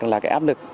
là áp lực